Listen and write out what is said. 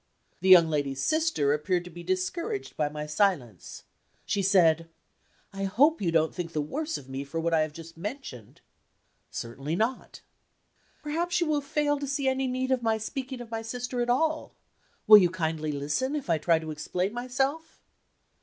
The young lady's sister appeared to be discouraged by my silence. She said: "I hope you don't think the worse of me for what I have just mentioned?" "Certainly not." "Perhaps you will fail to see any need of my speaking of my sister at all? Will you kindly listen, if I try to explain myself?"